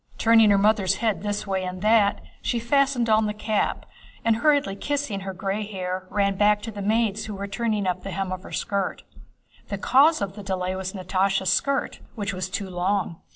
Turning her mother's head this way and that, she fastened on the cap and, hurriedly kissing her gray hair, ran back to the maids who were turning up the hem of her skirt. The cause of the delay was Natásha's skirt, which was too long.